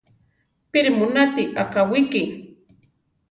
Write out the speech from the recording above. ¿Píri mu náti akáwiki?